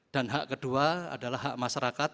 dan hak kedua adalah hak masyarakat